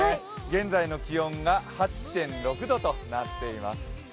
現在の気温が８．６度となっています